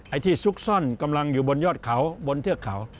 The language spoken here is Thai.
ไอ้ที่ซุกซ่อนกำลังอยู่บนยอดเขาบนเทือกเขา